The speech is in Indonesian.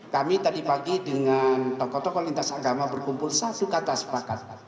kami tadi pagi dengan tokoh tokoh lintas agama berkumpul satu kata sepakat